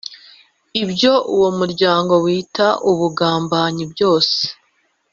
ibyo uwo muryango wita ubugambanyi byose.